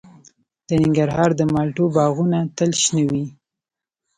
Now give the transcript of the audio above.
د ننګرهار د مالټو باغونه تل شنه وي.